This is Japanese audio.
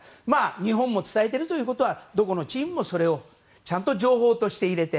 日本も伝えているということはどこのチームも、それをちゃんと情報として入れて。